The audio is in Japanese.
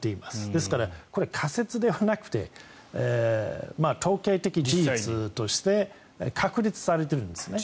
ですから仮説ではなくて統計的事実として確立されてるんですね。